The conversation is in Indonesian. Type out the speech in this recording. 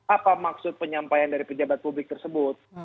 apa maksud penyampaian dari pejabat publik tersebut